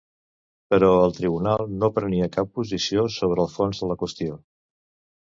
Però el Tribunal no prenia cap posició sobre el fons de la qüestió.